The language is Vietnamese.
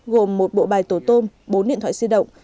gồm một bộ bài tổ tôm bốn điện thoại di động